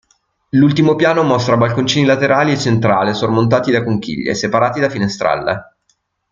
L'ultimo piano mostra balconcini laterali e centrale sormontati da conchiglie, separati da finestrelle.